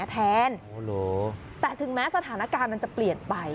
แต่ถึงแม้สถานการณ์มันจะเปลี่ยนไป